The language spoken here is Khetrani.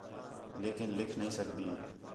لیکن لکھ نہیں سڳدی